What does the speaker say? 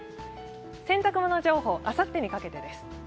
洗濯物情報、あさってにかけてです